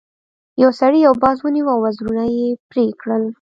یو سړي یو باز ونیو او وزرونه یې پرې کړل.